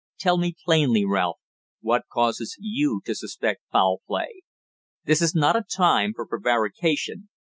Tell me plainly, Ralph, what causes you to suspect foul play? This is not a time for prevarication.